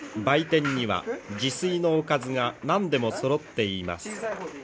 売店には自炊のおかずが何でもそろっています。